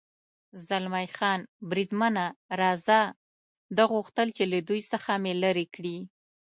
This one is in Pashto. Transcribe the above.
زلمی خان: بریدمنه، راځه، ده غوښتل چې له دوی څخه مې لرې کړي.